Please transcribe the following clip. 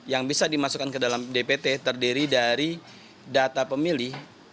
yang bisa dimasukkan ke dalam dpt terdiri dari data pemilih